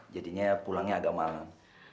jadinya pulangnya agak malam